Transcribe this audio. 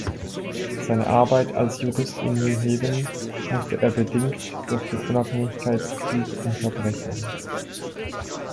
Seine Arbeit als Jurist in New Haven musste er bedingt durch den Unabhängigkeitskrieg unterbrechen.